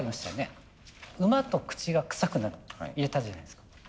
「馬」と「口がくさくなる」と入れたじゃないですか。